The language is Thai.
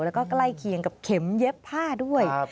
แล้วก็ใกล้เคียงกับเข็มเย็บผ้าด้วย